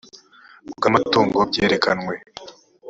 bw amatungo byerekanywe